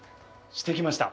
してきました！